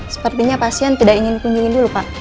sepertinya pasien tidak ingin dikunjungi dulu pak